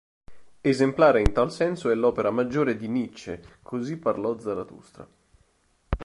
Esemplare in tal senso è l'opera maggiore di Nietzsche, "Così parlò Zarathustra".